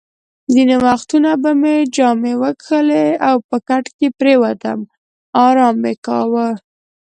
ځینې وختونه به مې جامې وکښلې او په کټ کې پرېوتم، ارام مې کاوه.